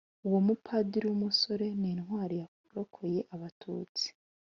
uwo mupadiri w'umusore ni intwari yarokoye abatutsi